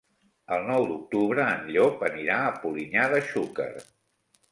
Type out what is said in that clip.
El nou d'octubre en Llop anirà a Polinyà de Xúquer.